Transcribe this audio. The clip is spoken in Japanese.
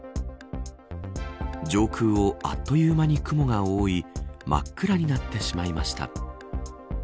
上空をあっという間に雲が覆い真っ暗になってしまいました。